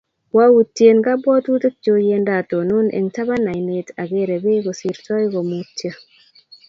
Kwautyen kabwotutik chuk yeindatonon eng' tapan ainet akere peek kosirtoi komutyo.